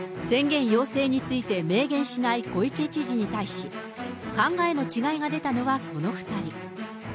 宣言要請について明言しない小池知事に対し、考えの違いが出たのはこの２人。